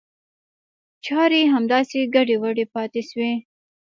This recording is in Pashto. چاري همداسې ګډې وډې پاته شوې.